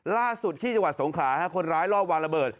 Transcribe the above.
ล่าสุดที่จังหวัดสงขลาคนร้ายรอบวางระเบิด